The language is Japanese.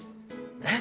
えっ！？